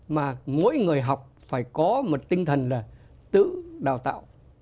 mà mỗi người học phải có một tinh thần là tự đào tạo